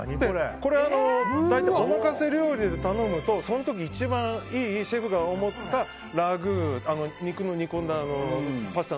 これは大体お任せ料理で頼むとその時一番いい、シェフが思ったラグー、肉の煮込んだパスタ。